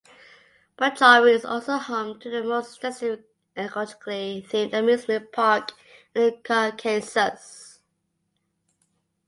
Borjomi is also home to the most extensive ecologically-themed amusement park in the Caucasus.